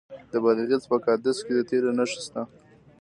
د بادغیس په قادس کې د تیلو نښې شته.